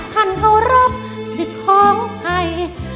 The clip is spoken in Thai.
ถ้าท่านโทรภสิทธิ์ของใคร